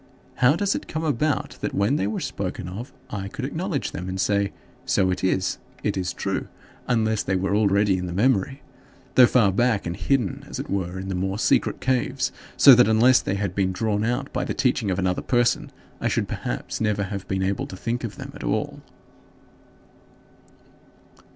How does it come about that when they were spoken of, I could acknowledge them and say, "So it is, it is true," unless they were already in the memory, though far back and hidden, as it were, in the more secret caves, so that unless they had been drawn out by the teaching of another person, I should perhaps never have been able to think of them at all?